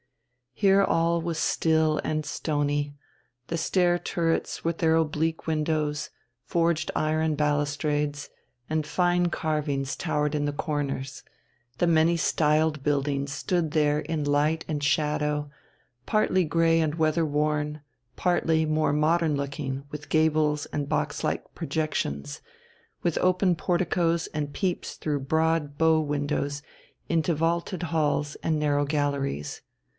Here all was still and stony; the stair turrets with their oblique windows, forged iron balustrades, and fine carvings towered in the corners; the many styled building stood there in light and shadow, partly grey and weather worn, partly more modern looking, with gables and box like projections, with open porticoes and peeps through broad bow windows into vaulted halls and narrow galleries.